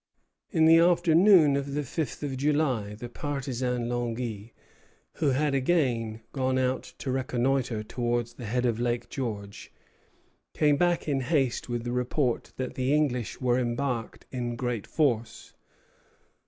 In the afternoon of the fifth of July the partisan Langy, who had again gone out to reconnoitre towards the head of Lake George, came back in haste with the report that the English were embarked in great force.